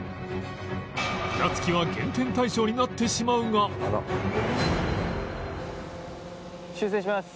ふらつきは減点対象になってしまうが修正します。